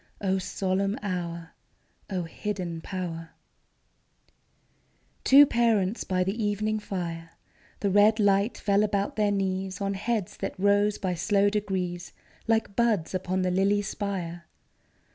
O solemn hour! O hidden power ! Two parents by the evening fire : The red light fell about their knees On heads that rose by slow degrees Like buds upon the lily spire.